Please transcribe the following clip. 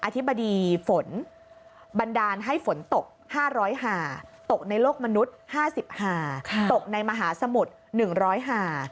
อธิบดีฝนบันดาลให้ฝนตก๕๐หาตกในโลกมนุษย์ห้าสิบห้าตกในมหาสมุทร๑๐๐หา